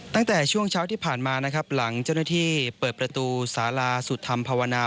ตั้งแต่ช่วงเช้าที่ผ่านมานะครับหลังเจ้าหน้าที่เปิดประตูสาราสุธรรมภาวนา